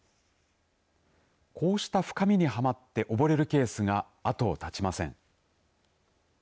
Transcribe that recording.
こうした深みにはまって溺れるケースが後を絶ちません。